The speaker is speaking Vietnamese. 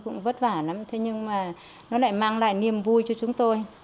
cũng vất vả lắm thế nhưng mà nó lại mang lại niềm vui cho chúng tôi